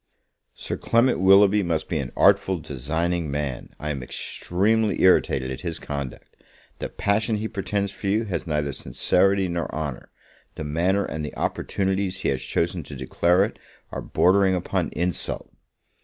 Sir Clement Willoughby must be an artful designing man: I am extremely irritated at his conduct. The passion he pretends for you has neither sincerity nor honour; the manner and the opportunities he has chosen to declare it, are bordering upon insult.